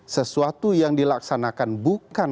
sesuatu yang dilaksanakan bukan